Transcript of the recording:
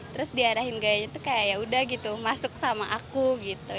terus diarahin gayanya itu kayak ya udah gitu masuk sama aku gitu